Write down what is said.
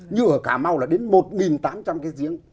nhưng ở cà mau là đến một tám trăm linh cái giếng